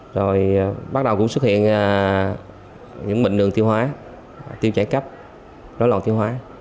rồi bắt đầu cũng xuất hiện những bệnh đường tiêu hóa tiêu chảy cấp đối lộn tiêu hóa